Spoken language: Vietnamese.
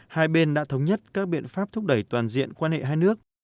hai bên đã thống nhất các biện pháp thúc đẩy toàn diện quan hệ hai nước